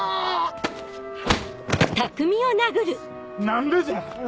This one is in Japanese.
何でじゃ！